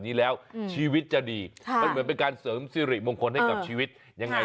เออแล้วพอยิ่งเข้าใกล้เสียงมันจะยิ่งดังอ่ะ